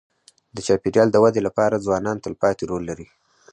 د چاپېریال د ودې لپاره ځوانان تلپاتې رول لري.